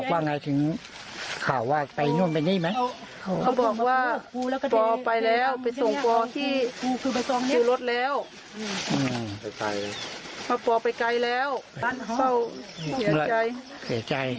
พ่อโป๊ไปไกลแล้วเจ้าเฉยใจ